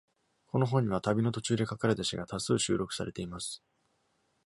この本には、旅の途中で書かれた詩が多数収録されています。